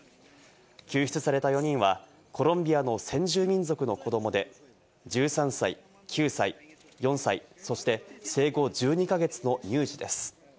救出された４人はコロンビアの先住民族の子どもで１３歳、９歳、４歳、そして生後１２か月の乳児です。